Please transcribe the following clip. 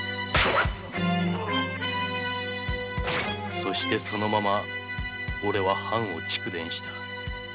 そしてそのまま俺は藩を遂電した。